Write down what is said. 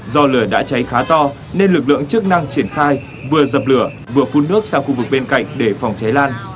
do lửa đã cháy khá to nên lực lượng chức năng triển khai vừa dập lửa vừa phun nước sang khu vực bên cạnh để phòng cháy lan